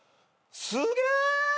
すげえ！